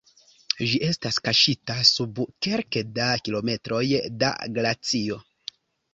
Ĝi estas kaŝita sub kelke da kilometroj da glacio.